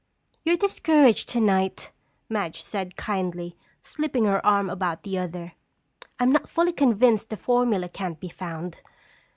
"You're discouraged tonight," Madge said kindly, slipping her arm about the other. "I'm not fully convinced the formula can't be found.